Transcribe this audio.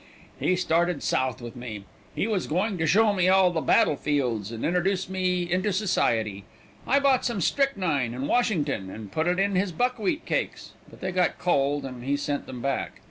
"He started south with me. He was going to show me all the battle fields, and introduce me into society. I bought some strychnine in Washington, and put it in his buckwheat cakes; but they got cold, and he sent them back.